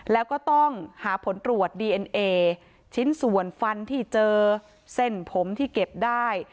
แล้วก็ต้องหาผลตรวจดีเอ็นเอชิ้นส่วนฟันที่เจอเส้นผมที่เก็บได้